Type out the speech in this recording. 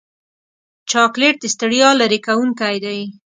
چاکلېټ د ستړیا لرې کوونکی دی.